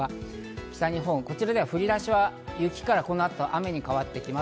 北日本、こちらでは降り出しが雪から雨に変わっていきます。